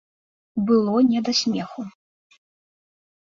Было не да смеху.